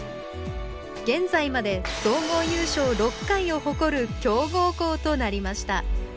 現在まで総合優勝６回を誇る強豪校となりました